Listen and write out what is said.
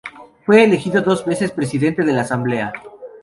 Fue elegido dos veces Presidente de la Asamblea.